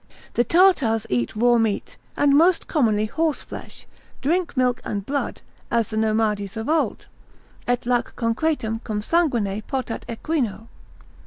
The Tartars eat raw meat, and most commonly horse flesh, drink milk and blood, as the nomades of old. Et lac concretum cum sanguine potat equino.